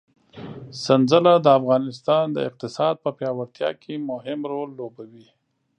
سنځله د افغانستان د اقتصاد په پیاوړتیا کې مهم رول لوبوي.